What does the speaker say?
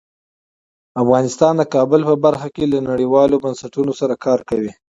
افغانستان د کابل په برخه کې له نړیوالو بنسټونو سره کار کوي.